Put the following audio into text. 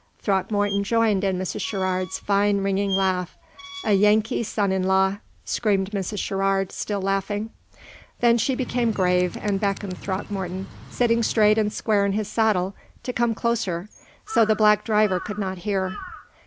Throckmorton joined in Mrs. Sherrard's fine, ringing laugh. "A Yankee son in law!" screamed Mrs. Sherrard, still laughing; then she became grave, and beckoned Throckmorton, sitting straight and square in his saddle, to come closer, so the black driver could not hear.